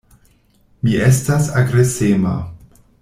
Mi estas agresema.